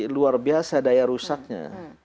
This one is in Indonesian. luar biasa daya rusaknya